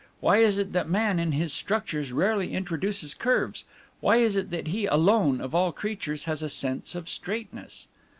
Why is it that man, in his structures, rarely introduces curves? Why is it that he alone, of all creatures, has a sense of straightness?"